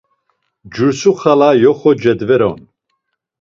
Cursu xala yoxo cedver’on.